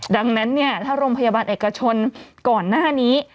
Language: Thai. ดังนั้นเนี่ยถ้าโรงพยาบาลเอกชนก่อนหน้านี้